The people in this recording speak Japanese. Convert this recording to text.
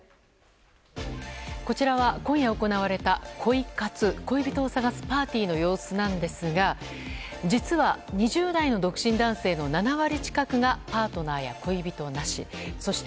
こちらは、今夜行われた恋活恋人を探すパーティーの様子なんですが実は２０代の独身男性の７割近くがパートナーや恋人なし。